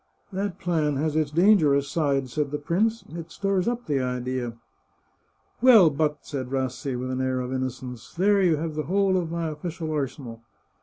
" That plan has its dangerous side," said the prince. " It stirs up the idea." " Well, but," said Rassi, with an air of innocence, " there you have the whole of my official arsenal."